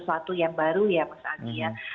sesuatu yang baru ya mas ani